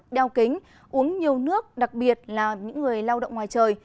đeo kính uống nhiều nước đặc biệt là những người lao động ngoài trời